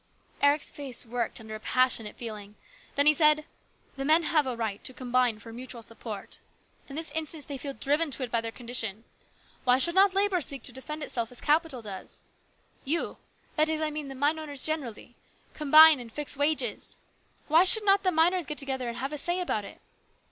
Eric's face worked under a passionate feeling. Then he said :" The men have a right to combine for mutual support. In this instance they feel driven to it by their condition. Why should not Labour seek to defend itself as Capital does? You, that is, 60 ins BROTHER'S KEEPER. I mean the mine owners generally, combine and fix wages. Why should not the miners get together and have a say about it